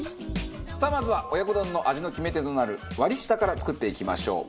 まずは親子丼の味の決め手となる割下から作っていきましょう。